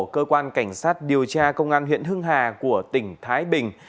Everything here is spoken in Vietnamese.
cơ quan cảnh sát điều tra công an huyện hưng hà của tỉnh thái bình